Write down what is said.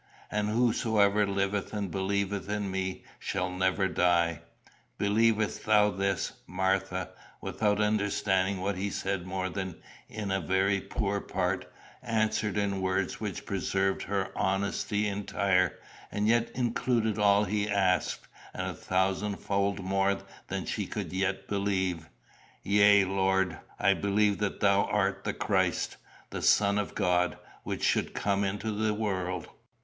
And whosoever liveth and believeth in me, shall never die. Believest thou this?' Martha, without understanding what he said more than in a very poor part, answered in words which preserved her honesty entire, and yet included all he asked, and a thousandfold more than she could yet believe: 'Yea, Lord; I believe that thou art the Christ, the Son of God, which should come into the world.